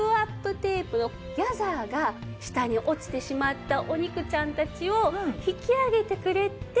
テープのギャザーが下に落ちてしまったお肉ちゃんたちを引き上げてくれて。